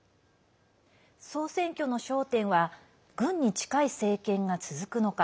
総選挙の焦点は軍に近い政権が続くのか